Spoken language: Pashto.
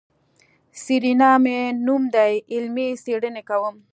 سېرېنا مې نوم دی علمي څېړنې کوم.